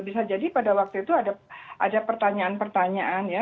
bisa jadi pada waktu itu ada pertanyaan pertanyaan ya